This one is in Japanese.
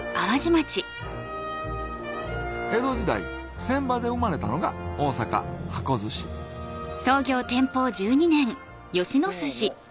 江戸時代船場で生まれたのが大阪箱寿司どうも。